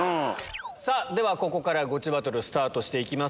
ではここからゴチバトルスタートして行きます。